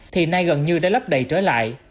thì nay gần như đã lấp đầy trở lại